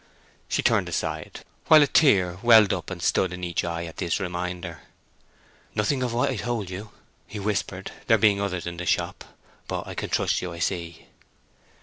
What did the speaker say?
She turned aside, while a tear welled up and stood in each eye at this reminder. "Nothing of what I told you," he whispered, there being others in the shop. "But I can trust you, I see."